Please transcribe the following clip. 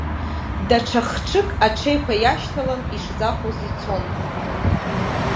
Даҽа х-ҽык аҽеиқәа иашьҭалан ишзахәоз ицон.